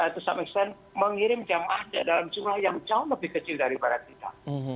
to some extent mengirim jemaah dalam jumlah yang jauh lebih kecil dari barat kita